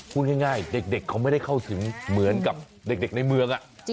พูดง่ายเด็กเขาไม่ได้เข้าถึงเหมือนกับเด็กในเมือง